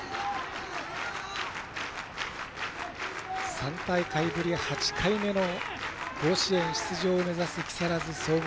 ３大会ぶり８回目の甲子園出場を目指す木更津総合。